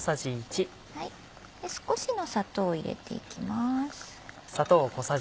少しの砂糖を入れていきます。